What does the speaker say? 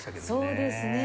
そうですね。